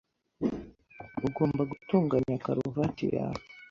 Ugomba gutunganya karuvati yawe .